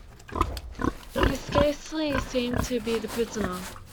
He scarcely seemed to be the prisoner.